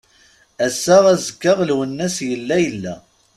Ass-a, azekka Lwennas yella yella.